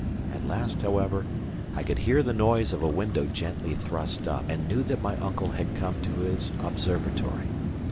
At last, however, I could hear the noise of a window gently thrust up, and knew that my uncle had come to his observatory.